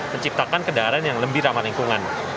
menciptakan kendaraan yang lebih ramah lingkungan